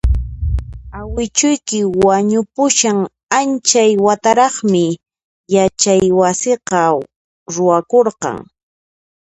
Awichuyki wañupushan anchay wataraqmi yachaywasiqa ruwakurqan